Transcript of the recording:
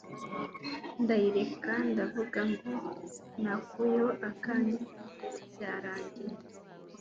ndayireka ndavuga ngo nakuyeho akanjye byarangiye